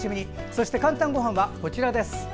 そして「かんたんごはん」はこちら。